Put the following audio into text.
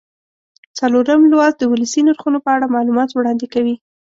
څلورم لوست د ولسي نرخونو په اړه معلومات وړاندې کوي.